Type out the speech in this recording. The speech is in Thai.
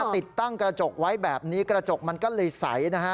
ติดตั้งกระจกไว้แบบนี้กระจกมันก็เลยใสนะฮะ